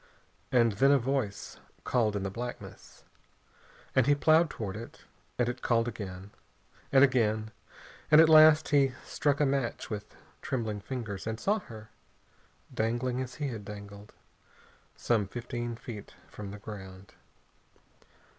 And then a voice called in the blackness, and he ploughed toward it, and it called again, and again, and at last he struck a match with trembling fingers and saw her, dangling as he had dangled, some fifteen feet from the ground.